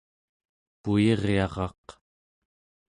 puyiryaraq